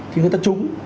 thì người ta trúng